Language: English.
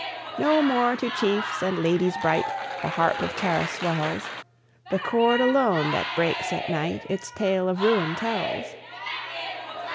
No more to chiefs and ladies bright The harp of Tara swells; The chord alone, that breaks at night, Its tale of ruin tells.